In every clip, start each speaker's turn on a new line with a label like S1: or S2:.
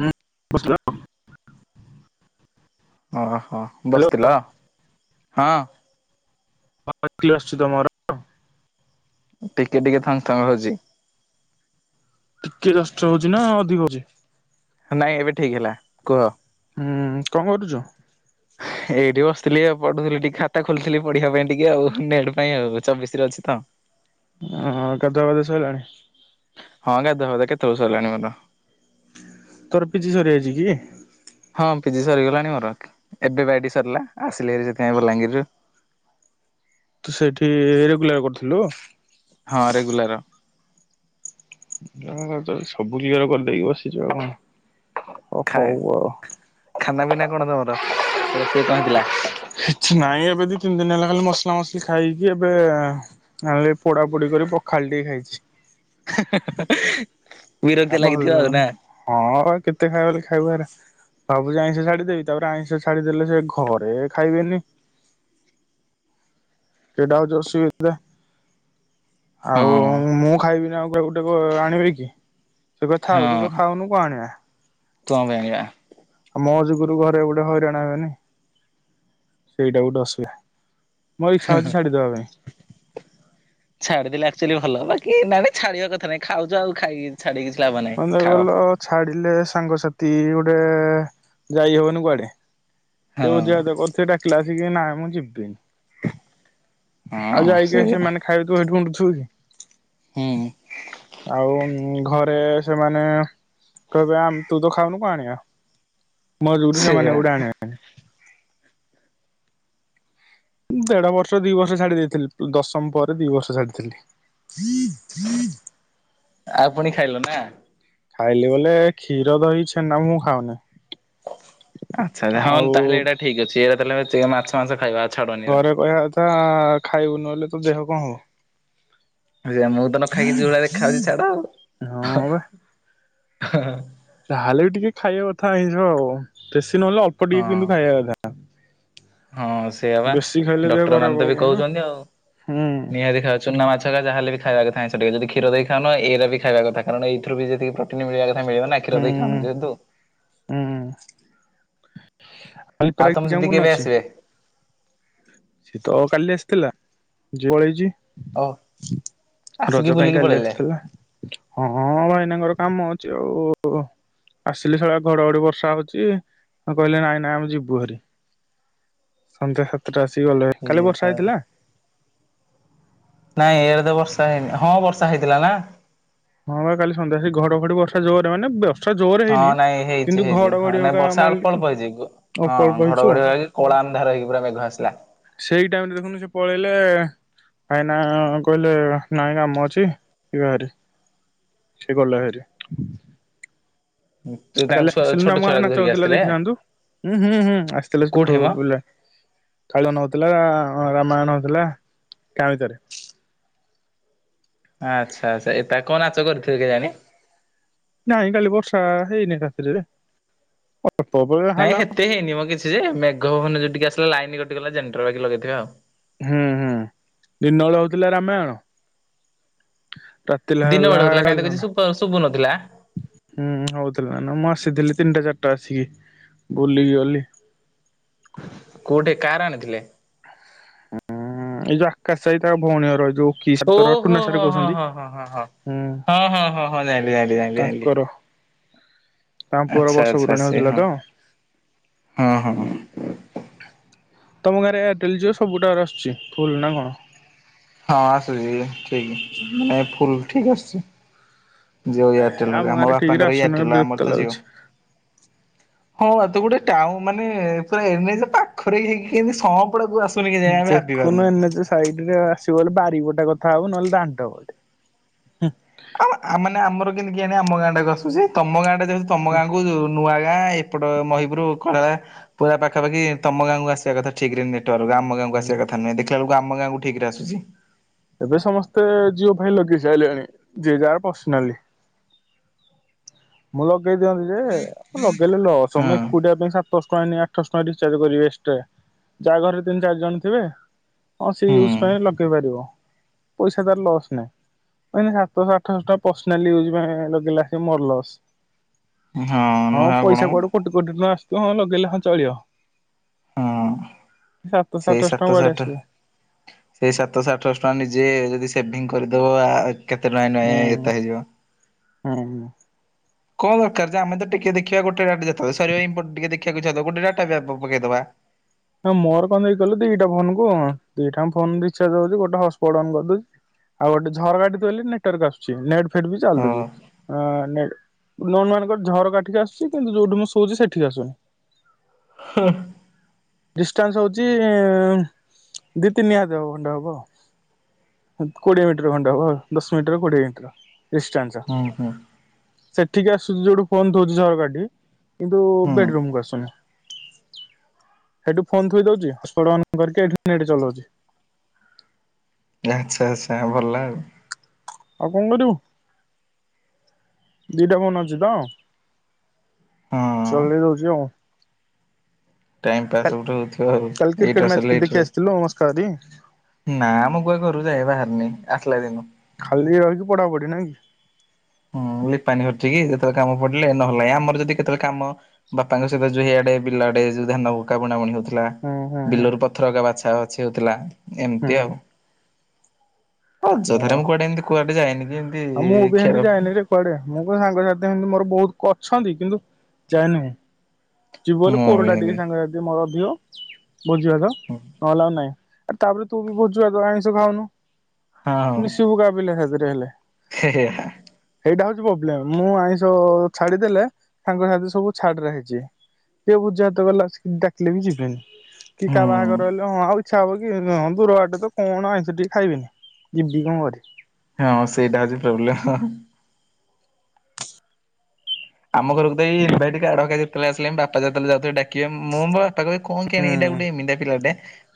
S1: ହଁ ବ। [unintelligible]
S2: ଅହ ବସିଥିଲ? ହଁ।
S1: ହାତୀ ଆସୁଛି ତମର?
S2: ଟିକେ ଟିକେ ଥଙ୍ଗଥଙ୍ଗ ହଉଛି।
S1: ଟିକେ କଷ୍ଟ ହଉଛି ନା ଅଧିକ ହଉଛି?
S2: ନାଇଁ ଏବେ ଠିକ ହେଲା। କୁହ?
S1: ହୁଁ କଣ କରୁଛୁ?
S2: ଏଇଠି ବସିଥିଲି । ଆଉ ପଢୁଥିଲି ଟିକେ ଖାତା ଖୋଲିଥିଲି ପଢିବା ପାଇଁ ଟିକେ ଆଉ ନେଟ ପାଇଁ ଆଉ ଚବିଶରେ ଅଛି ତ।
S1: ଉଁ ଗାଧୁଆ ପାଧୂଆ ସଇଲାଣି?
S2: ହଁ ଗାଧୁଆ ଫାଧୁଆ କେତଳୁ ସରିଲାଣି ମୋର।
S1: ତୋର ପିଜି ସରିଯାଇଛି କି?
S2: ହଁ ପିଜି ସରିଗଲାଣି ମୋର। ଏବେ ବା ଏଇଠି ସରିଲା। ଆସିଲିଭାରି ସେଥିପାଇଁ ବଲାଙ୍ଗୀରରୁ।
S1: ତୁ ସେଠି ରେଗୁଲାର କରୁଥିଲୁ?
S2: ହଁ ରେଗୁଲାର
S1: ନା ନା ନା ଯଦି ସବୁ କ୍ଲିୟର କରିଦେଇକି ବସିଚୁ ଆଉ । ଓ
S2: ଖା
S1: ହଉ ଆଉ।
S2: ଖାନା ପିନା କଣ ତମର ରୋଷେଇ କଣ ହେଇଥିଲା?
S1: କିଛି ନାଇଁ ଏବେ ଦି ତିନି ଦିନ ହେଲା ଖାଲି ମସଲା ମସଲି ଖାଇକି ଏବେ ଏ ପୋଡା ପୋଡି କରି ପଖାଳ ଟିକେ ଖାଇଛି।
S2: ବିରକ୍ତି
S1: ଆ ଭଲ
S2: ଲାଗିଥିବ ଆଉ
S1: ଲାଗୁନି
S2: ନା
S1: ହଁ ଆଉ କେତେ ଖାଇବା ବୋଲି ଖାଇବ ହେରା। ଭାବୁଛି ଆଇଁଷ ଛାଡିଦେବି ତାପରେ ଆଇଁଷ ଛାଡିଦେଲେ ସେ ଘରେ ଖାଇବେନି। ସେଇଟା ହଉଛି ଅସୁବିଧା।
S2: ହଁ
S1: ଆଉ ମୁଁ ଖାଇବିନି ଆଉ। ସେ ଗୋଟେ କୋଉ ଆଣିବି କି? ସାଙ୍ଗ ଥାଉ ତୁ
S2: ହଁ
S1: ତ ଖାଉନୁ କଣ ଆଣିବା।
S2: କଣ ପାଇଁ ଆଣିବା
S1: ଆଉ ମୋ ଯୁଗରୁ ଘରେ ଗୋଟେ ହଇରାଣ ହେବେନି ସେଇଟା ଗୋଟେ ଆସୁବି ମୋର ଇଚ୍ଛା ହଉଛି ଛାଡ଼ିଦବା ପାଇଁ।
S2: ଛାଡିଦେଲେ ଆକ୍ଚୁଆଲି ଭଲ ବାକି ନାଇଁ ଛାଡିବା କଥା ନାଇଁ ଖାଉଛ ଆଉ ଖାଇବି।
S1: ମଜା ଗଲ ଛାଡିଲେ ସାଙ୍ଗସାଥି ଗୋଟେ ଯାଇ ହବନି କୁଆଡେ?
S2: ହଁ
S1: ସେ ଭୋଜି ଭାତ କରିଥିବେ ଡାକି କ୍ଲାସିକ କି ନାଇ ମୁଁ ଯିବିନି। ଆଉ
S2: ହଁ
S1: ଯାଇକି
S2: ସେଇଆ
S1: ସେମାନେ ଖାଇବେ ତୁ ଉଣ୍ଡୁ ଛୁଇ
S2: ହୁଁ
S1: ଆଉ ଘରେ ସେମାନେ କହିବେ ଆମ ତୁ ତ ଖାଉନୁ କଣ ଆଣିବା। ମଜୁରୁ
S2: ସେଇଆ
S1: ସେମାନେ ଉଡା ଆଣିବେ। ଦେଢ ବର୍ଷ ଦି ବର୍ଷ ଛାଡି ଦେଇଥିଲି ଦଶମ ପରେ ଦି ବର୍ଷ ଛାଡିଥିଲି।
S2: ଆଉ ପୁଣି ଖାଇଲ ନା।
S1: ଖାଇଲି ବୋଲେ କ୍ଷୀର ଦହି ଛେନା ମୁଁ ଖାଉନି।
S2: ଆଚ୍ଛା ହଁ
S1: ଆଉ
S2: ତାହେଲେ ଏଇଟା ଠିକ ଅଛି ଏଇଟା ତାହେଲେ ଟିକେ ମାଛ ମାଂସ ଖାଇବ।
S1: ଘରେ କହିବା କଥା ଖାଇବୁ ନ ଲେ ତ ଦେହ କଣ ହବ
S2: ଆା ମୁଁ ତ ନ ଖାଇକିଉଡରେ ଖାଉଛି ଛାଡା ଆଉ ହଁ
S1: ତାହେଲେ ବି ଟିକେ ଖାଇବା କଥା ଆଇଯିବ ଆଉ ନହେଲେ ଅଳ୍ପ ଟିକେ
S2: ହଁ
S1: କିନ୍ତୁ ଖାଇବା କଥା
S2: ହଁ ସେଇ ହେବା
S1: ବେଶୀ ଖାଇଲେ ଦେହ
S2: ଡକ୍ଟର
S1: ଖରାପ
S2: ମାନେ ତ ବି
S1: ହବ ନା
S2: କହୁଛନ୍ତି ଆଉ
S1: ହୁଁ
S2: ନିହାତି ଖ ଚୁନା ମାଛା ଯାହାେଲେ ବି ଖାଇବା ଥାଏ ସେ ଟିକେ ଯଦି କ୍ଷର ଦେଇ ଏଇରା ବି ଖାଇବା କଥା କାରଣ ଏଇଥିରୁ ବି ଯେତିକି ପ୍ରୋଟିନ୍ ମିଳ ମିଳିବ ନା କ୍ଷୀର ଦେଇ ଖାଉଣୁ ଯେହେନ୍ତୁ
S1: ଉୁଁ
S2: ଆଉ ତମ
S1: ଆପାମ
S2: ଦିଦି
S1: କ
S2: କେବେ
S1: ଅଛି
S2: ଆସିବେ
S1: ସେ ତଉ କାଲି ଆସିଥିଲା ଯ ପଳେଇଛି
S2: ଓ ଆସିକି
S1: ରଜ ପାଇଁ
S2: ବୁଲିକି
S1: କାଲି
S2: ପଳେଇଲେ
S1: ଆସିଥିଲା ହଁ ଭାଇନାଙ୍କର କମ ଅଛି ଆଉ ଆସିଲି ସଆ ଘଡଘଡି ବର୍ଷା ହଉଛି କହିଲେ ନାଇଁ ନାଇଁ ଆମେ ଯିବୁ ଭରି ସନ୍ଧ୍ୟା ସାତଟା ଆସି ଗଲେ
S2: ଇଏ
S1: କାଲି
S2: ବୋପା।
S1: ବର୍ଷା ହେଇଥିଲା
S2: ନାଇଁ ଏଡ ତ ବର୍ଷା ହେଇନି ହଁ ବର୍ଷା ହେଇଥିଲା ନା
S1: ହଁ କାଲି ସନ୍ଧ୍ୟା ଆସିକି ଘଡ଼ ଘଡି ବରସା ଜୋରେ ମାନେ ବ୍ୟ
S2: ହଁ ନାଇଁ ହେଇଚି ହେଇଚି ହଁ ନାଇଁ
S1: ହକା
S2: ବର୍ଷା ଅଳ୍ପ
S1: ମାରିକି
S2: ଅଳ୍ପ ହେଇଚି।
S1: ଅଳ୍ପ ଅଳ୍ପ
S2: ହଁ
S1: ହେଇଛି ଆଉ।
S2: ଘଡଘଡି ଭଳିଆ ହେଇକି କଳା ଅନ୍ଧାର ହେଇକି ପୁରା ମେଘ ଆସିଲା।
S1: ସେଇ ଟାଇମରେ ଦେଖୁନୁ ସେ ପଳେଇଲେ, କାଇନା କହିଲେ ନାଇଁ କାମ ଅଛି, ଯିବା ହାରି। [inaudible] ସେ ଗଲା ହାରି [inaudible]
S2: ତୁ
S1: ଆଉ
S2: ତାଙ୍କ
S1: କାଲି
S2: ଛୁଆ
S1: ଆସିଲୁ ନା
S2: ଛୋଟ
S1: ଆମ
S2: ଛୁଆଟାକୁ
S1: ନାଚ
S2: ଧରିକି
S1: ହଉଥିଲା
S2: ଆସିଥିଲେ
S1: ଦେଖିଥାନ୍ତୁ? ହୁଁ ହୁଁ ଆସିଥିଲେ ସେଟୁ
S2: କୋଉଠି ମ
S1: ପିଲା। କାଳୁ ନୋଉଥିଲା ହଁ ରାମାୟଣ ହୋଉଥିଲା। ଗାଁ ଭିତରେ।
S2: ଆଚ୍ଛା ଆଚ୍ଛା ଏ ତା କଅ ନାଚ କରିଥିବ କେଜାଣି?
S1: ନାଇଁ କାଲି ବର୍ଷା ହେଇନେଇଁ ରାତିରେ ରେ। ଅଳ୍ପ ଅଳ୍ପ
S2: ନାଇଁ
S1: ହେଲା
S2: ସେତେ ହେଇନି ମ କିଛି ଯେ। ମ୍ୟା ମେଘ ପବନ ଯେମିତି ଆସିଲା ଲାଇନ କଟିଗଲା ଜେନେଟର ଆଣିକି ଲଗେଇଥିବେ ଆଉ।
S1: ହୁଁ ହୁଁ ଦିନ ବେଳେ ହଉଥିଲା ରାମାୟଣ। ରାତି ବେଳା
S2: ଦିନ
S1: ହେଲା
S2: ବେଳେ ହଉଥିଲା କାହିଁ ତ କିଛି ଶୁଭ ଶୁଭୁନଥିଲା
S1: [unintelligible] ହଉଥିଲା ନା ମୁଁ ଆସିଥିଲି। ତିନିଟା ଚାରିଟା ଆସିକି ବୁଲିକି ଗଲି।
S2: କୋଉଠି କାର ଆଣିଥିଲେ?
S1: ହୁଁ ଏଇ ଯୋଉ ଆକାଶ ଭାଇ ତା ଭୋଉଣୀ ଘର ଏ ଯୋଉ କି ସାର୍
S2: ଓ
S1: ତୋର
S2: ହୋ
S1: ଟୁନା ସାର୍
S2: ହୋ ହଁ
S1: କହୁଛନ୍ତି।
S2: ହଁ ହଁ ହଁ ହଁ ହଁ
S1: ହୁଁ
S2: ହଁ। ହଁ ହଁ ହଁ ଯାଇଲି ଯାଇଲି ଯାଇଲି ଯାଇଲି।
S1: ତାଙ୍କର ତାଙ୍କ ପୁଅର
S2: ଆଛା
S1: ବର୍ଷ
S2: ଆଚ୍ଛା
S1: ପୁରାଣୀ
S2: ସେ
S1: ହଉଥିଲା
S2: ହଁ।
S1: ତ
S2: [inaudible] ହଁ ହଁ।
S1: [inaudible] ତମ ଗାଁରେ ଏୟାରଟେଲ ଯିଓ ସବୁ ତାୱାର ଆସୁଚି? ଫୁଲ ନା କଣ?
S2: ହଁ ଆସୁଚି ଠିକ। [inaudible] ମାନେ ଫୁଲ ଠିକ ଆସୁଚି। ଜିଓ
S1: ଏ
S2: ଏୟାରଟେଲ ର ବି। ଆମ
S1: ଗାଁରେ ଠିକରେ
S2: ବାପାଙ୍କର
S1: ଆସୁନି
S2: ଏୟାରଟେଲ,
S1: ବିରକ୍ତ
S2: ଆମର ତ ଜିଓ।
S1: ଲାଗୁଛି।
S2: ହଁ ବା ତ ଗୋଟେ ଟାଉ ମାନେ ପୁରା ଏନ ଏଚ ପାଖରେ ହେଇକିନି ସମ
S1: ଦେଖୁନୁ ଏନ ଏଚ ସାଇଡ ରେ ଆସିବ ହେଲେ ବାରିପଟେ କଥା ହବୁ ନହେଲେ ଦାଣ୍ଡପଟେ ।
S2: ଆଉ ମାନେ ଆମର କି କିମିତି କେଇଜାଣି ଆମ ଗାଁଟାକୁ ଆସୁଚି। ତମ ଗାଁଟା ଯ ଯଦି ତମ
S1: ହୁଁ
S2: ଗାଁକୁ ଯୋଉ ନୂଆ ଗାଁ ଏପଟ ମହିପୁର କଡମା ପୁରା ପାଖାପାଖି ତମ ଗାଁକୁ ଆସିବା କଥା ଠିକରେ ନେଟ ଆମ ଗାଁକୁ ଆସିବା କଥା ନୁଏ ଦେଖି କେତେବେଳକୁ ଆମ ଗାଁକୁ ଠିକ ରେ ଆସୁଛି।
S1: ଏବେ ସମସ୍ତେ ଜିଓ ଫାଇଲ ଲଗେଇ ସାରିଲେଣି। ଯିଏ ଯାହାର ପର୍ସନାଲି। [inaudible] ମୁଁ ଲଗେ ଲଗେଇ ଦିଅନ୍ତି ଯେ, ଲଗେଇଲେ ଲସ
S2: ହଁ
S1: ମୁଁ ଏକୁଟିଆ ପାଇଁ ସାତଶ ଟଙ୍କା ଏଇନିକା ଆଠସ ଟଙ୍କା ରିଚାର୍ଜ କରିବି ଏସଟ୍ରା। ଯା ଘରେ ତିନି ଚାରି ଜଣ ଥିବେ ହଁ ସେ
S2: ହୁଁ
S1: ୟୁଜ୍ ପାଇଁ ଲଗେଇ ପାରିବ। ପଇସା ତାର ଲସ୍ ନାହିଁ। କାଇଁକି ସାତସ ଆଠସ ଟଙ୍କା ପସନାଲି ୟୁଜ ପାଇଁ ଲଗେଇଲାସୀ ମୋର ଲସ୍। [inaudible] ହଁ
S2: ନୁହେଁ ଆଉ କଣ
S1: ପଇସା
S2: ମ
S1: କୁଆଡୁ କଟି କଟି ନା ଆସ ତୁ ହଁ ଲଗେଇଲେ ହଁ ଚଳିବ।
S2: ହଁ
S1: ସାତଶହ
S2: ସେଇ
S1: ଆଠଶହ ଟଙ୍କା
S2: ସାତ ସହ
S1: କୁଆଡେ
S2: ଆଠ
S1: ଆସିବ
S2: ସହ ସେଇ ସାତ ସହ ଆଠ ସହ ଟଙ୍କା ନି ଯେ ଯଦି ସେଭିଙ୍ଗ କରିଦେବ ଆ କେତେ ଟଙ୍କା ନହ
S1: ହୁଁ
S2: ଏତେ ହେଇଯିବ।
S1: ହୁଁ ।
S2: କଣ ଦରକାର ଯେ ଆମେ ତ ଟିକେ ଦେଖିବା ଗୋଟେ ଡାଟା ସରିବା ଟିକେ ଦେଖିବାକୁ ଇଛା ହବ ଗୋଟେଡାଟା ପକେଇଦବା।
S1: ହଁ ମୋର କଣ ଦେଇ କଲୁ ଦିଟା ଫୋନ କ ଦିଟା ଫୋ ରିଚାର୍ଜ ହଉଛି ଗୋଟେ ହପଟ କରିଦଉଛି ଆଉ ଗୋଟେ ଝରକା ଉପରେ ନେଟ ଆସୁଛି। ଫେର ବି
S2: ହଁ
S1: ଚାଲୁଛି ଆ [unintelligible] ମାନଙ୍କର ଝର କାଠିକି ଆସୁଛି କିନ୍ତୁ ଯୋଉଠି ମୁଁ ଶୋଉଛି ସେଠିକି ଆସୁନି।
S2: ହୁଁ ।
S1: ଡିଷ୍ଟାନ୍ସ ହଉଛି ଦି ତିନି ହାତ ହବ ଖଣ୍ଡା ହବ। [inaudible] କୋଡିଏ ମିଟର ଖଣ୍ଡା ହବ ଦଶ ମିଟର କୋଡିଏ ମିଟର। ଡିଷ୍ଟାଞ୍ଚ।
S2: ହୁଁ ହୁଁ
S1: [inaudible] ସେଠିକି ଆସୁଛି ଯୋଉଠୁ ଫୋନ ଥୋଉଛିି ଝରକାଠି। କିନ୍ତୁ ବେଡ
S2: ହୁଁ
S1: ରୁମକୁ ଆସୁନି। ସେଇଠୁ ଫୋନ ଥୋଇ ଦଉଛି ହସପଟ ଅନ କରିକି ଏଠି ନେଟ ଚଲାଉଛି। [inaudible]
S2: ଆଚ୍ଛା ଆଚ୍ଛା ଭଲ ଆଉ ।
S1: ଆଉ କଣ କରିବୁ [inaudible] ଦିଟା ଫୋନ ଅଛି ତ।
S2: ହଁ।
S1: [unintelligible] [unintelligible]
S2: ଟାଇମ ପାସ ହଉଥିବ ଆଉ
S1: କାଲି କ୍ରିକେଟ
S2: ଏଇିଟା
S1: ମ୍ୟାଚ
S2: ସରିଲେ
S1: ଦେଖି
S2: ଏ
S1: ଆସିଥିଲୁ ମସ୍କାରି
S2: [inaudible] ନାମ କୁଆଡେ ଘରୁ ଯାଏ ବାହାରନି। ଆସଲା ଦିନ।
S1: ଖାଲି ରହିକି ପଢା ପଢି ନାଇଁ କି?
S2: ହୁଁ ଲିପାନୀ ହର୍ଚିକ କି ଯେତେବେଳେ କାମ ପଡିଲେ ନହଲା ଆମର ଯଦି କେତେବେଳେ କାମ ବାପାଙ୍କହିତ ଯଉଆଡେ ବିଲ ଆଡେ ଯୋଉ ଧାନାବୁଣା ବୁଣି ହଉ
S1: ହୁଁ ହୁଁ ହୁଁ
S2: ବିଲରୁ ପଥର ଅଗା ବାଛ। ଆଛ ଅଛି ହେଉଥିଲା। ଏମତି
S1: ହୁଁ
S2: ଆଉ। ହଉୋଧଥା
S1: ହଁ
S2: କୁଆଡେମିତି କୁଡ ଯାଇଏନି।
S1: ଆଉ ମୁଁ ବି ଏମିତି ଯାଏନି। କୁଆଡେ ମୁଁ କ ସାଙ୍ଗସାଥିମିତି ମୋର ବହୁତ ଅଛନ୍ତି। କିନ୍ତୁ ଯାଏନି ମୁ ଯିବୁ ବୋଲି
S2: ମୁଁ ବି
S1: କୋରଟା
S2: ହେମତି।
S1: ଟିକେ ସାଙ୍ଗ ମୋର ଦିଅ ବୁଝିବା ତ ନଲା ଆଉ ନାଇଁ। ଆ ତାପରେ ତୁ ବି ବହୁତଛୁ ଆଇିଷ ଖାଉନୁ। ତ ଶୁୁଗ ବିିଲ ହେ ଯୋ ହ ହେଲେ
S2: ହିଁ ହିଁ।
S1: ଏଇଟା ହଉଛି ପ୍ରୋବ୍ଲେମ ମୁଁ ଆଇଁଷ ଛାଡିଦେଲେ। ତାଙ୍କ ସାଥି ସବୁ ଛାଡରେ ହେଇଛି। କିଏ ବୁଜା ହାତ ଗଲା ଡାକିଲେ। ବି ଯିବେନି କି
S2: ହୁଁ
S1: କାହା ବାହାଘର ରହିଲେ ହଁ ଆଉ ଇଚ୍ଛା ହବ କିଁ ଦୂର ବାଟେ ତ କଣ ଆଇଁଷ ଟିକେ ଖାଇବେନି ଯିବି କଣ କରି
S2: ହଁ ସେଇଟାଜି ପ୍ରୋବ୍ଲେ। ଆମ ଘରକୁ ଏଇନଭାଇଟ କାଡ ଆସିଲଣି ବାପାତବେ ଯାଉଥିବେ ଡ଼ା ମୁଁ ବାପା କହିବେ କଣ
S1: ହୁଁ
S2: କେଜାଣି ଏମିତିଆ ପିଲାଟେ।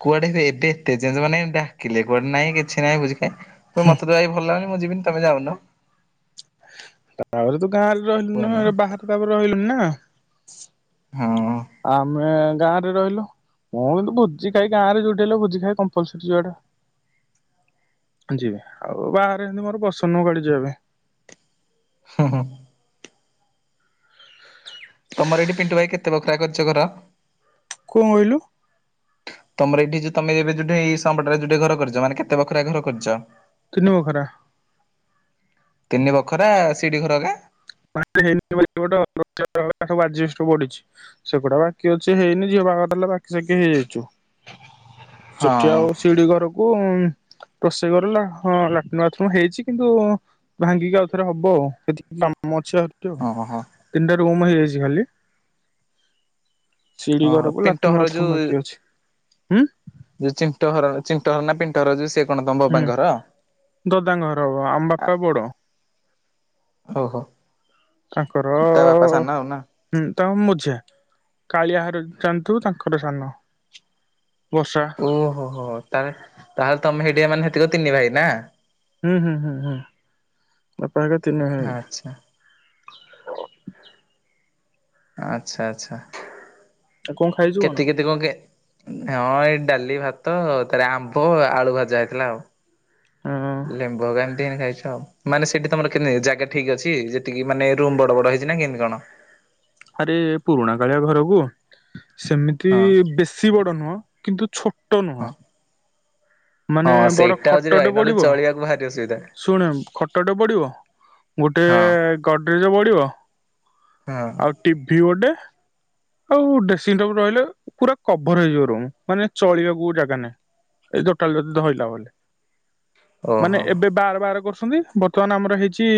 S2: କୁଆଡେ ହ ଏବେ ଏତେ ଯେ ମାନେ ଡାକିଲେ କୁଆଡେ ନାଇଁ କିଛି ନାଇଁ ବୁଝି ମତେବାଇ ଭଲ ଲାଗ ମୁଁ ଯିବିନି ତମେ ଯାଉନ।
S1: ତାହେଲେ ତ ଗାଁରେ
S2: କୁହେ
S1: ରହିଲୁନ
S2: ନା
S1: ବାରେ ତାପରେ ରହିଲୁନି ନା।
S2: ହଁ।
S1: ଆମେ ଗାଁରେ ରହିଲୁ। ମୁଁ କିନ୍ତୁ ଭୋଜି ଖାଇ ଗାଁ ରେ ଯୋଟେଇଲ ଭୋଜି ଖାଇ କମ୍ପଲସରୀ ଯଆଟା। ଯିବେ ଆଉ ବାହାରେମ ମୋର ବସନ କାଳି ଯବେ।
S2: ହଁ ହଁ। ତମର ଏଇଠି ପିଣ୍ଟୁ ଭାଇ କେତେ ବ କ୍ରୟ କାର୍ଯ୍ୟ କର
S1: କଣ କହିଲୁ?
S2: ତମର ଏଇଠି ଯୋଉ ତମେ ଏବେ ଯୋଉ ଏଇଟରେ ଯୋ ଘର କରିଛ ମାନେ କେତେ ପାଖରେ ଘର କରିଛ?
S1: ତନିିବଖରା।
S2: ତିନି ବଖରା ସିଠି ଘର କା?
S1: ହେଇ ଗୋଟେବୁଢଛି ସେଗୁଡା ବାକି ଅଛି ହେଇନି ଝିଅ ପାଖଲେ ବାକି [inaudible] ହେଇଯାଇଛୁ,
S2: ହଁ
S1: ସେଠି ଆଉ ସିଡି ଘରକୁ ଉଁ-ଉଁ ରୋଷେଇ ଘର ଲା ହଁ ଲାଟିନ୍ ବାଥରୁମ ହେଇଛି କିନ୍ତୁ ଭାଙ୍ଗିକି ଆଉଥରେ ହବ ଆଉ ଏତିକି କାମ। ମତ୍ ଅଛି ଆଉ ଏକକୁ
S2: ଓହୋ। ହୋ
S1: ତିନିଟାର ରୁମ୍ ହେଇଯାଇଛି ଖାଲି। ସିଡି
S2: ଓହୋ
S1: ଘରକୁ
S2: ପିଣ୍ଟ
S1: ଲାଟିନ୍
S2: ଘର ଯୋଉ
S1: ବାଥରୁମ୍ ବାକି ଅଛି। ହୁଁ।
S2: ଯୋଉ ଚିଣ୍ଟ ଘର ଚିଣ୍ଟ ଘର ନା ପିଣ୍ଟ ଘର ଯୋଉ ସେ କଣ ତମ
S1: ହୁଁ
S2: ବବାଙ୍କ ଘର?
S1: ଦଦାଙ୍କ ଘର ହେବ, ଆମ ବାପା ବଡ।
S2: ଓହୋଃ।
S1: ତାଙ୍କରଅ-ଅ-ଅ ହୁଁ। [inaudible] ମଝିଆଁ କାଳିଆ ଘର ଜାଣିଥିବୁ ତାଙ୍କର ସାନ। ବର୍ଷା
S2: ଓହୋଃ ହୋ-ହୋ ତାଲେ ତାହେଲେ ତମେ ହେଇଠିକା ମାନେ ହେତିକ ତିନି ଭାଇ ନା?
S1: ହୁଁ-ହୁଁ-ହୁଁ-ହୁଁ ବାପ୍ ପା ଏକା ତିିନି ଭାଇ।
S2: ଆଚ୍ଛା
S1: ଓ
S2: ଆଚ୍ଛା ଆଚ୍ଛା।
S1: ଆଉ କଣ ଖାଇଛୁ
S2: କେତେ କେତେ କଣ କେ ହଁଅ ଏଇ ଡାଲି ଭାତ ଆଉ ତାରେ ଆମ୍ବ ଆଳୁ ଭଜା ହେଇଥିଲା ଆଉ।
S1: ଅଁ
S2: ଲେମ୍ବୁ ଏକା ଏମିତି [inaudible] ଖାଇ [inaudible] ମାନେ ସେଠି ତମର କେମତି ଜାଗା ଠିକ୍ ଅଛି ଯେତିକି ମାନେ ରୁମ୍ ବଡ ବଡ ହେଇଛି ନା କେମିତି କଣ?
S1: ଆରେ ପୁରୁଣା କାଳିଆ ଘରକୁ ସେମିତି
S2: ହଁ।
S1: ବେଶୀ ବଡ ନୁହଁ। କିନ୍ତୁ ଛୋ ଟ ନୁହଁ,
S2: ହଁ
S1: ମାନେ
S2: ହଁ
S1: ବଡ
S2: ସେଇଟା ହଉଛି ଭାଇ
S1: ଖଟଟେ
S2: ନହେଲେ
S1: ପଡିବ,
S2: ଚଳିବାକୁ ଭାରି ଅସୁବିଧା
S1: ଶୁଣେ ଖଟଟେ ପଡିବ, ଗୋଟେ
S2: ହଁ
S1: ଗଡରେଜ୍ ପଡିବ
S2: ହଁ।
S1: ଆଉ ଟିଭି ଗୋଟେ। ଆଉ ଡ୍ରେସିଂଙ୍ଗ୍ ଟେବୁଲ ରହିଲେ ପୁରା କଭର୍ ହେଇଯିବ ରୁମ୍, ମାନେ ଚଳିବାକୁ ଜାଗା ନାହିଁ ଏ ଟୋଟାଲ୍ ଯଦି ଧଇଲା ବଲେ। ମାନେ
S2: ଓହୋ
S1: ଏବେ ବାର୍ ବାର୍ କର [inaudible] ବର୍ତ୍ତମାନ ଆମର ହେଇଛି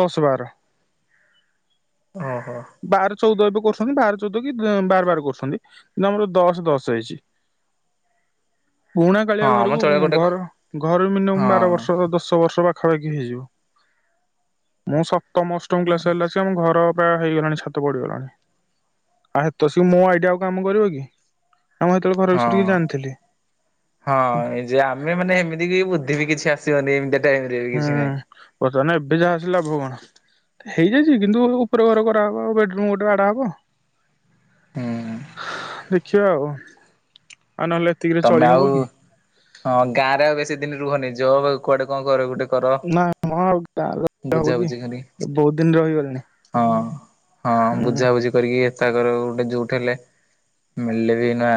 S1: ଦଶ ବାର।
S2: ଓହୋଃ।
S1: ବାର ଚଉଦ ଏବେ କରୁ [inaudible] ବାର ଚଉଦ କି ବାର ବାର କରୁଛନ୍ତି, କିନ୍ତୁ ଆମର ଦଶ ଦଶ ହେଇଛି। ପୁଣା କାଳିଆ
S2: ହଁ ମ
S1: ଘରକୁ
S2: ଚଳିବାକୁ ଗୋଟେ
S1: ଘର, ଘର ମିନିୟମ୍ ବାର ବର୍ଷ ହେବ
S2: ହଁ
S1: ଦଶ ବର୍ଷ ପାଖ ପାଖା ପାଖି ହେଇଯିବ, ମୁଁ ସପ୍ ଅଷ୍ଟମ ଅଷ୍ଟମ କ୍ଲାସ ହେଲା ସେ ଆମ ଘର ହେଇଗଲାଣି ଛାତ ପଡିଗଲାଣି ଆ ତ ସ ମୋ ଆଇଡିଆ ଆଉ କାମ କରିବ କି ନା ମୁଁ ହେତେବେଳେ ଘର ବିଷୟରେ କିଛି
S2: ହଁ
S1: ଜାଣିଥିଲି
S2: ହଁ ଏ ଯେ ଆମେ ମାନେ ଏମିତି କି ବୁଦ୍ଧି ବି କିଛି ଆସ ଟାଇମ ରେ ବି କିଛି
S1: ହୁଁ
S2: ନାହିଁ
S1: ବର୍ତ୍ତମାନ ଏବେ ଯାହା ଆସିଲ ଲାଭ କଣ ହେଇଯାଇଛି କିନ୍ତୁ ଉପର ଘର କରାହେବ ଆ ବେଡ଼ରୁମ ଗୋଟେ ବାଡା ହବ
S2: ହୁଁ
S1: ଦେଖିଆ ଆଉ ନହେଲେ ଏତିକିରେ ଚଳି
S2: ତମେ
S1: ହବ
S2: ଆଉ
S1: କି
S2: ହଁ ଗାଁ ରେ ଆଉ ବେଶୀ ଦିନ ରୁହନି ଜୋ ବା କୁଆଡେ କଣ କରେ ଗୋଟେ କର
S1: ନା ହଁ ଆଉ ର ହବ କି
S2: ବୁଝାବୁଝି କରି
S1: ବହୁତ ଦିନରେ ରହିଗଲାଣି
S2: ହଁ ହଁ ବୁଝାାବୁଝି କରିକି ତାକର ଗୋଟେ ଯୋଉଠି ହେଲେ ମିଳିଲେ ବି ନୂଆ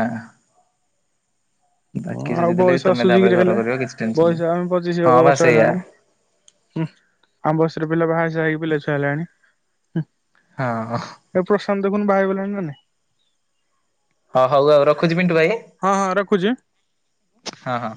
S1: ହ ଆଉ ବୟସାସୁଝିକିରି
S2: ଘର
S1: ହେଲେ
S2: କରିବ କିଛି ଟେନସନ ନାହିଁ।
S1: ବୟସ ଆମେ ପଚିଶ
S2: ହଁ ବା
S1: ବର୍ଷ
S2: ସେଇଆ
S1: ହେଲାଣି ଆମ ବ ସେଥିରେ ପିଲା ବାହା ସାହା ହେଇକି ପିଲା ଛୁଆ ହେଲାଣିଁ
S2: ହଁ
S1: ଦେଖୁ ବାହ ହେଇଗଲାଣି ନା ନାଇ
S2: ହଁ ହଉ ଆଉ ରଖୁ ଟ ଭାଇ
S1: ହଁ ରଖୁଛି।
S2: ହ ହ।